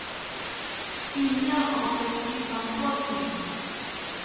Iñaa ojeki pankotziki